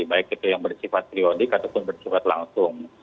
baik itu yang bersifat periodik ataupun bersifat langsung